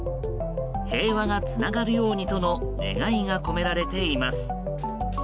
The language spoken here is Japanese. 平和がつながるようにとの願いが込められています。